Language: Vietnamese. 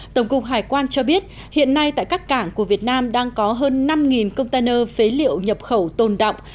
tổng cục hải quan cho biết hiện nay tại các cảng của việt nam đang có hơn năm container phế liệu nhập khẩu tồn động